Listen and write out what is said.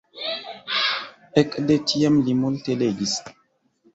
Ekde tiam li multe legis.